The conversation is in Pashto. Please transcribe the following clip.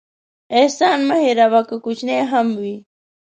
احسان مه هېروه، که کوچنی هم وي.